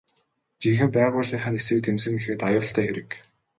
Жинхэнэ байгууллынх нь эсрэг тэмцэнэ гэхэд аюултай хэрэг.